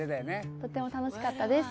とっても楽しかったです。